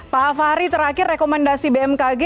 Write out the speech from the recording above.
pak afahri terakhir rekomendasi bmkg